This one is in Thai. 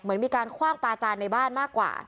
เหมือนมีการคว่างปลาจานในบ้านมากกว่า